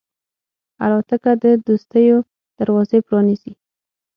الوتکه د دوستیو دروازې پرانیزي.